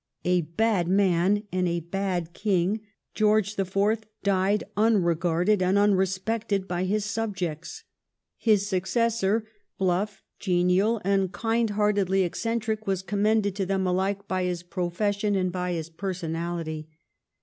A bad man and a bad King, George IV. died unregarded and unresj^ected by his subjects. His successor, bluff, genial, and kind heartedly eccentric, was commended to them alike by his profession and by his pei sonality.